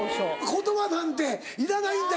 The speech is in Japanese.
言葉なんていらないんだ